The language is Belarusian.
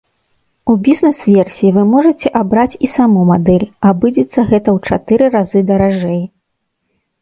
У бізнэс-версіі вы можаце абраць і саму мадэль, абыдзецца гэта ў чатыры разы даражэй.